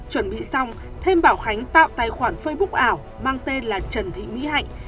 chuẩn bị xong thêm bảo khánh tạo tài khoản facebook ảo mang tên là trần thị mỹ hạnh